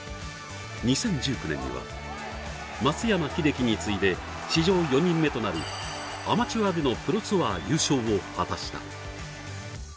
２０１９年には松山英樹に次いで史上４人目となるアマチュアでのプロツアー優勝を果たした。